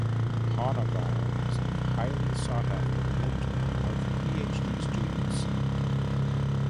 Honavar is a highly sought after mentor of Ph.D. students.